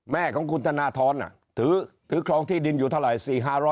แม่ของคุณธนทรถือครองที่ดินอยู่เท่าไหร่